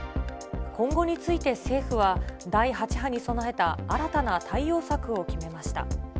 今後について政府は、第８波に備えた新たな対応策を決めました。